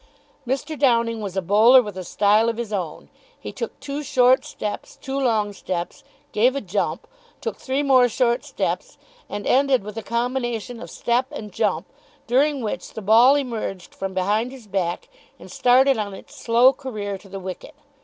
Mr. Downing was a bowler with a style of his own. He took two short steps, two long steps, gave a jump, took three more short steps, and ended with a combination of step and jump, during which the ball emerged from behind his back and started on its slow career to the wicket.